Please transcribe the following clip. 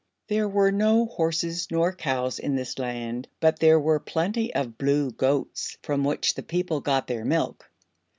There were no horses nor cows in this land, but there were plenty of blue goats, from which the people got their milk.